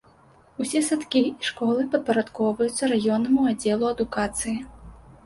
Усе садкі і школы падпарадкоўваюцца раённаму аддзелу адукацыі.